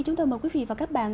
chúng tôi mời quý vị và các bạn